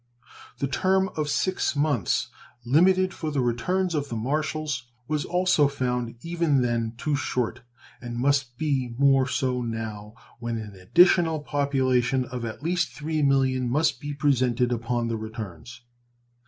The term of six months limited for the returns of the marshals was also found even then too short, and must be more so now, when an additional population of at least 3,000,000 must be presented upon the returns.